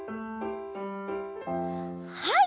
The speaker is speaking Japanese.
はい！